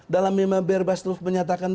dalam mimbar bebas lu menyatakan itu